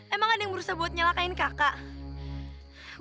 emang ada yang berusaha buat nyalakain kakak